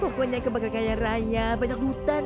pokoknya kebaga kaya raya banyak buta nek